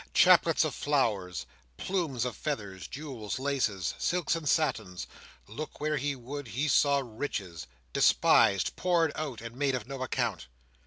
Chaplets of flowers, plumes of feathers, jewels, laces, silks and satins; look where he would, he saw riches, despised, poured out, and made of no account.